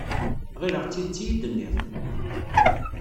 Ɣileɣ d tidet i iyi-d-tenniḍ.